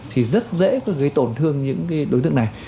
thì rất dễ gây tổn thương những đối tượng này